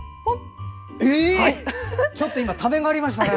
ちょっとためがありましたね。